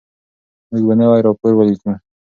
موږ به نوی راپور ولیکو.